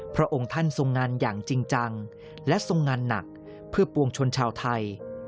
พระองค์ท่านทรงงานอย่างจริงจังและทรงงานหนักเพื่อปวงชนชาวไทย